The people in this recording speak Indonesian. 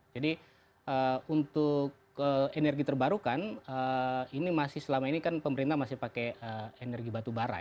jadi untuk energi terbarukan ini masih selama ini kan pemerintah masih pakai energi batu bara ya